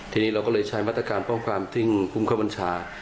ทีนี้เราก็ใช้มาตรการป้องกันพรุ่งเข้าบัญชา